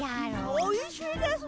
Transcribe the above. おいしいですね。